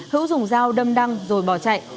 hữu dùng dao đâm đăng rồi bỏ chạy